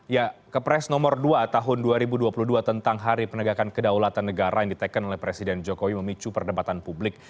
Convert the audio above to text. ya kepres nomor dua tahun dua ribu dua puluh dua tentang hari penegakan kedaulatan negara yang diteken oleh presiden jokowi memicu perdebatan publik